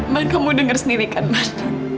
man kamu denger sendiri kan man